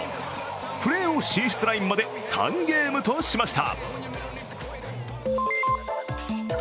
プレーオフ進出ラインまで３ゲームとしました。